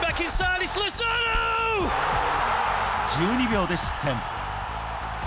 １２秒で失点。